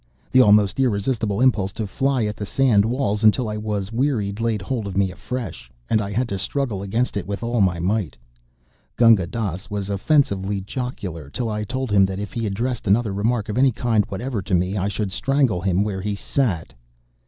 The almost irresistible impulse to fly at the sand walls until I was wearied laid hold of me afresh, and I had to struggle against it with all my might. Gunga Dass was offensively jocular till I told him that if he addressed another remark of any kind whatever to me I should strangle him where he sat.